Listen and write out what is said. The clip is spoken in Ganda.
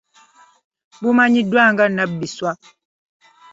Bumanyiddwa nga nnabiswa.